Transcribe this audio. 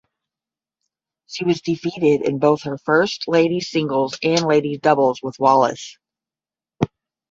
She was defeated in both her first ladies singles and ladies doubles with Wallis.